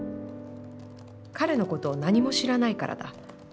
彼のことをなにも知らないからだ。